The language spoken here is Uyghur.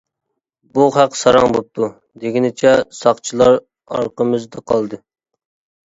«بۇ خەق ساراڭ بوپتۇ» دېگىنىچە ساقچىلار ئارقىمىزدا قالدى.